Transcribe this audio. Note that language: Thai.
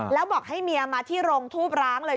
แล้วบอกให้เมียมาที่โรงทูบร้างเลย